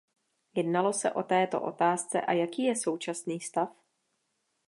Jednalo se o této otázce a jaký je současný stav?